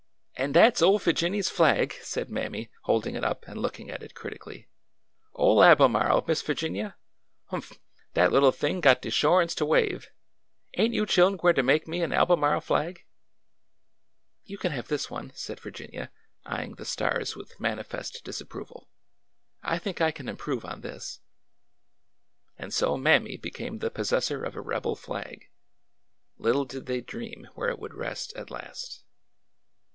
An' dat 's ole Figinny's flag!" said Mammy, hold ing it up and looking at it critically. Ole Albemarle, Miss Figinia ? Humph ! Dat little thing got de 'shorance to wave ! Ain't you chil'n gwineter make me a Albemarle flag?" You can have this one," said Virginia, eying the stars with manifest disapproval. '' I think I can improve on this." And so Mammy became the possessor of a rebel flag. Little did they dream where it would rest at last.